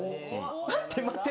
待って待って。